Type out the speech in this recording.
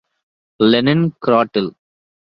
Lenin கிராடில் ….